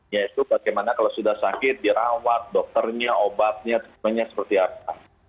yaitu bagaimana kalau sudah sakit dirawat dokternya obatnya seperti apa